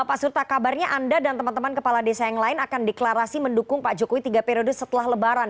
pak surta kabarnya anda dan teman teman kepala desa yang lain akan deklarasi mendukung pak jokowi tiga periode setelah lebaran